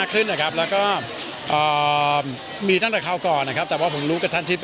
หรือว่าไม่ค่อยแต่ว่าไม่ค่อยแต่ว่าไม่ค่อย